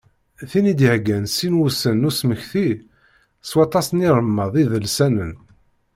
Tin i d-iheggan sin wussan n usmekti, s waṭas n yiremad idelsanen.